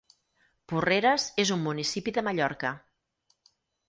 Porreres és un municipi de Mallorca.